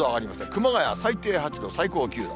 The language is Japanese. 熊谷は最低８度、最高９度。